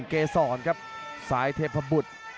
เกษรครับสายเทพบุตร